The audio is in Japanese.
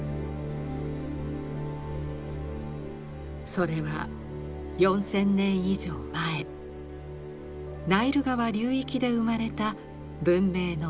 それは４，０００年以上前ナイル川流域で生まれた文明の遺産です。